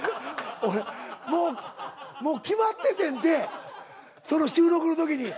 もう決まっててんてその収録の時に。